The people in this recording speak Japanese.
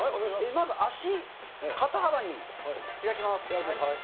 まず足、肩幅に開きます。